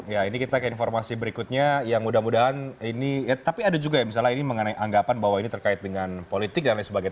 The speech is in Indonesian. ya ini kita ke informasi berikutnya yang mudah mudahan ini ya tapi ada juga ya misalnya ini mengenai anggapan bahwa ini terkait dengan politik dan lain sebagainya